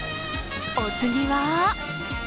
お次は？